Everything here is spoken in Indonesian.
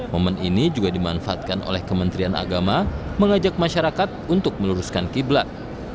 momen ini juga dimanfaatkan oleh kementerian agama mengajak masyarakat untuk meluruskan kiblat